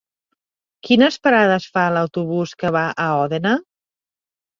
Quines parades fa l'autobús que va a Òdena?